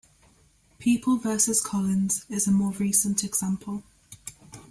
"People versus Collins" is a more recent example.